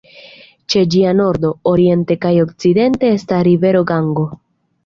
Ĉe ĝia nordo, oriente kaj okcidente estas rivero Gango.